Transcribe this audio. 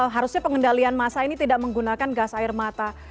harusnya pengendalian masa ini tidak menggunakan gas air mata